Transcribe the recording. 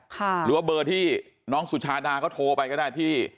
หรือว่าเบอร์ที่น้องสุชาดาเขาโทรไปก็ได้ที่